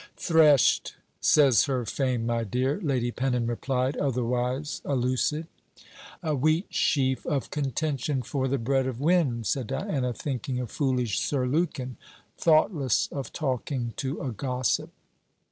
'Threshed, says her fame, my dear,' Lady Pennon replied, otherwise allusive. 'A wheatsheaf of contention for the bread of wind,' said Diana, thinking of foolish Sir Lukin; thoughtless of talking to a gossip.